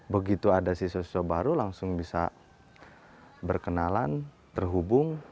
begitu ada siswa siswa baru langsung bisa berkenalan terhubung